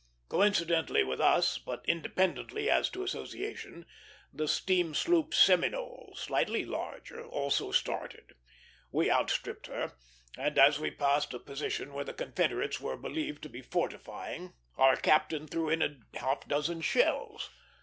Coincidently with us, but independently as to association, the steam sloop Seminole, slightly larger, also started. We outstripped her; and as we passed a position where the Confederates were believed to be fortifying, our captain threw in a half dozen shells.